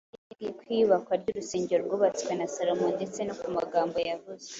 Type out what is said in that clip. Yababwiye ku iyubakwa ry’urusengero rwubatswe na Salomo ndetse no ku magambo yavuzwe